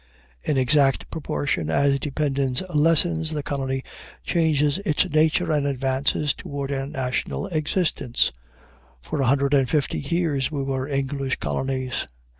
In exact proportion as dependence lessens, the colony changes its nature and advances toward national existence. For a hundred and fifty years we were English colonies.